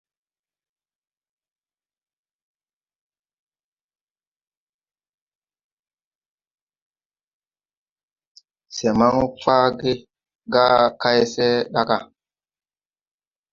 Se man faage ga kay se da ga.